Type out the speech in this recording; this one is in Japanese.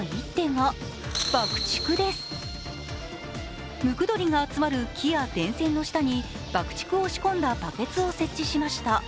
ムクドリが集まる木や剪定の下に爆竹を仕込んだバケツを設置しました。